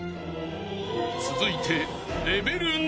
［続いて］